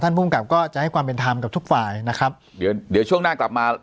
ภูมิกับก็จะให้ความเป็นธรรมกับทุกฝ่ายนะครับเดี๋ยวเดี๋ยวช่วงหน้ากลับมา